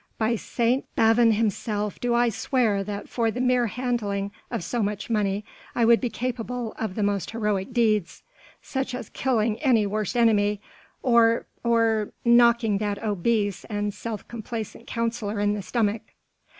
By St. Bavon himself do I swear that for the mere handling of so much money I would be capable of the most heroic deeds ... such as killing my worst enemy ... or ... or ... knocking that obese and self complacent councillor in the stomach."